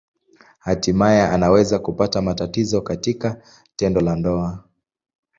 Hatimaye anaweza kupata matatizo katika tendo la ndoa.